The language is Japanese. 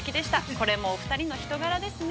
これもお二人は人柄ですね。